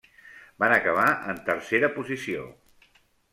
Van acabar en tercera posició.